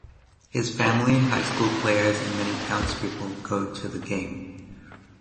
His family, high school players and many townspeople go to the game.